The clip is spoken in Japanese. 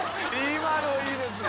いいですね。